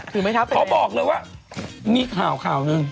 ถึงไม่เข้าไปเลยขอบอกเลยว่ามีข่าวหนึ่ง